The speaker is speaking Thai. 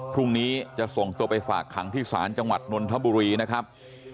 พรุ่งนี้จะส่งตัวไปฝากขังที่ศาลจังหวัดนนทบุรีนะครับ